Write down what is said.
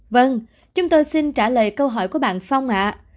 vâng chúng tôi xin trả lời câu hỏi của bạn phong ạ